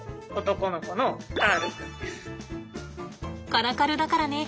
カラカルだからね。